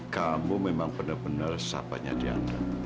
kamu memang benar benar sahabatnya dianggap